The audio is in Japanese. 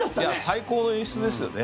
最高の演出ですよね。